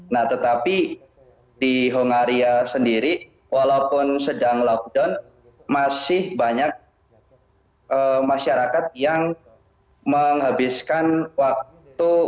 nah tetapi di hongaria sendiri walaupun sedang lockdown masih banyak masyarakat yang menghabiskan waktu